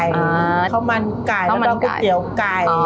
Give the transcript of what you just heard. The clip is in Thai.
อ่าาาาาข้าวมันไก่แล้วก็กุ๊กเตี๋ยวไก่